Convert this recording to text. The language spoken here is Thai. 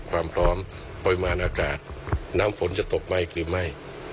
ความพร้อมปริมาณอากาศน้ำฝนจะตกไหม้หรือไม่